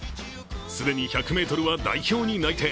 既に１００ｍは代表に内定。